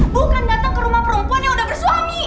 bukan datang ke rumah perempuan yang udah bersuami